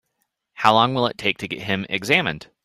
How long will it take to get him examined?